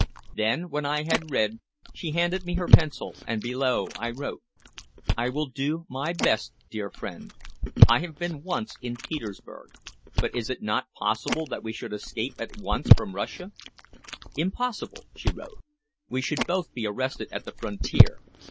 Then when I had read, she handed me her pencil and below I wrote "I will do my best, dear friend. I have been once in Petersburg. But is it not best that we should escape at once from Russia?" "Impossible at present," she wrote. "We should both be arrested at the frontier.